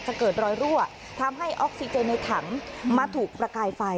เกิดรอยรั่วทำให้ออกซิเจนในถังมาถูกประกายไฟ